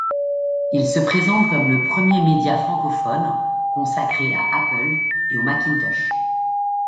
Il se présente comme le premier média francophone consacré à Apple et au Macintosh.